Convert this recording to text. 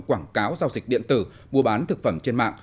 quảng cáo giao dịch điện tử mua bán thực phẩm trên mạng